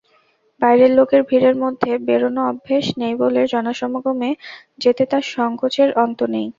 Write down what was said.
বাইরের লোকের ভিড়ের মধ্যে বেরোনো অভ্যেস নেই বলে জনসমাগমে যেতে তার সংকোচের অন্ত নেই।